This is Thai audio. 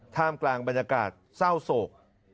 ท่ามกลางบรรยากาศเศร้าโศก